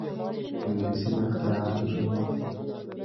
انګلیسي د اختراعاتو ژبه ده